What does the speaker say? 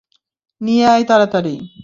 নিয়ে আই, তাড়াতাড়ি!